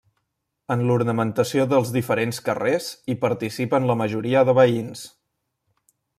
En l’ornamentació dels diferents carrers hi participen la majoria de veïns.